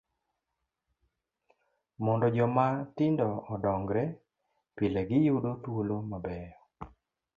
Mondo joma tindo odongre, pile giyudo thuolo mabeyo.